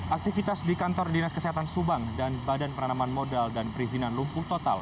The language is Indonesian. aktivitas di kantor dinas kesehatan subang dan badan penanaman modal dan perizinan lumpur total